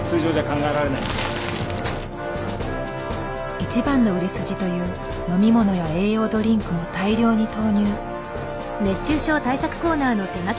一番の売れ筋という飲み物や栄養ドリンクも大量に投入。